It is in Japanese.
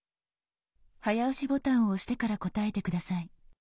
早押しボタンを押してから答えて下さい。